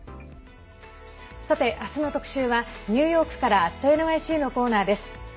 明日の特集はニューヨークから「＠ｎｙｃ」のコーナーです。